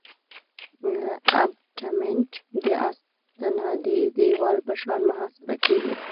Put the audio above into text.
ابټمنټ د استنادي دیوال په شان محاسبه کیږي